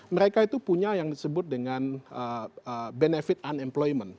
mereka itu punya yang disebut dengan benefit unemployment